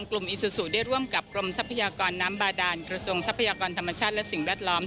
ควรน้ำบาดานขระส่งทรัพยากรธรรมชาติและสิ่งวัดล้อง